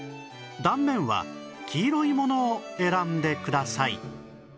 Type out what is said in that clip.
断面は黄色いものを選んでください